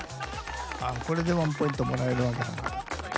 あっこれで１ポイントもらえるわけだ。